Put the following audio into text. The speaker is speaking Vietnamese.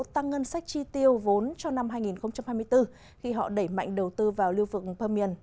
tăng ngân sách chi tiêu vốn cho năm hai nghìn hai mươi bốn khi họ đẩy mạnh đầu tư vào lưu vực per miền